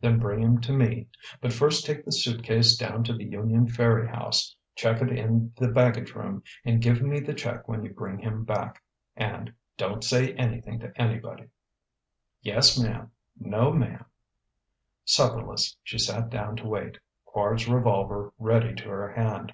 Then bring him to me. But first take this suit case down to the Union Ferry house, check it in the baggage room, and give me the check when you bring him back. And don't say anything to anybody." "Yes, ma'm no, ma'm." Supperless, she sat down to wait, Quard's revolver ready to her hand.